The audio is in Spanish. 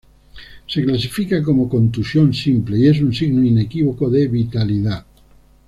Se clasifica como contusión simple y es un signo inequívoco de vitalidad.